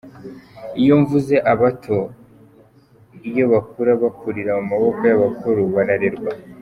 Iyo mvuze abato, iyo bakura bakurira mu maboko y’abakuru, bararerwa.